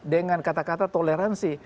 dengan kata kata toleransi